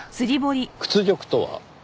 屈辱とは？